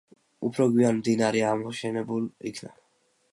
უფრო გვიან მდინარე ამოშენებულ იქნა.